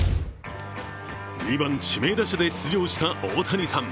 ２番・指名打者で出場した大谷さん。